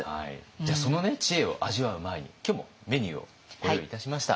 じゃあその知恵を味わう前に今日もメニューをご用意いたしました。